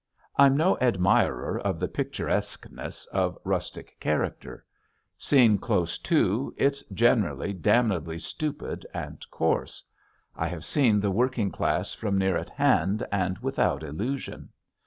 I'm no admirer of the "picturesqueness" of rustic character. Seen close to it's generally damnably stupid and coarse. I have seen the working class from near at hand and without illusion.